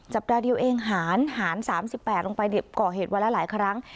จับดาลเดียวเองหารหารสามสิบแปดลงไปเด็บก่อเหตุวันแล้วหลายครั้ง